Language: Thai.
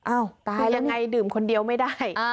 อ้าวตายแล้วยังไงดื่มคนเดียวไม่ได้